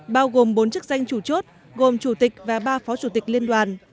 bao gồm bốn chức danh chủ chốt gồm chủ tịch và ba phó chủ tịch liên đoàn